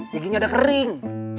diginya udah kering